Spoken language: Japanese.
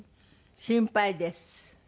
「心配です」。